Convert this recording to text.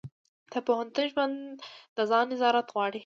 د پوهنتون ژوند د ځان نظارت غواړي.